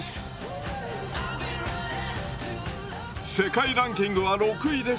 世界ランキングは６位ですが